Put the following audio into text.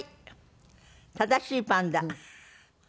正しいパンダ。